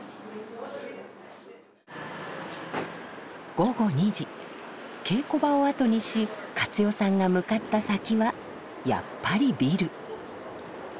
午後２時稽古場を後にし加津代さんが向かった先はやっぱりビル。